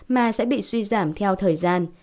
mà sẽ bị suy giảm theo thời gian